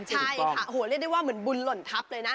ใช่ค่ะโอ้โหเรียกได้ว่าเหมือนบุญหล่นทัพเลยนะ